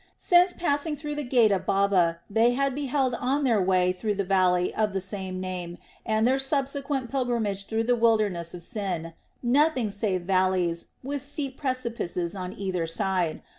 Since passing through the Gate of Baba, they had beheld on their way through the valley of the same name and their subsequent pilgrimage through the wilderness of Sin, nothing save valleys with steep precipices on either side.